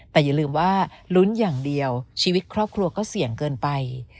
แต่อย่าลืมว่าลุ้นอย่างเดียวชีวิตครอบครัวก็เสี่ยงเกินไป